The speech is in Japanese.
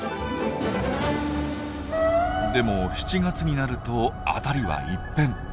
でも７月になると辺りは一変。